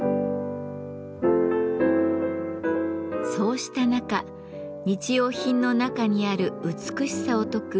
そうした中日用品の中にある美しさを説く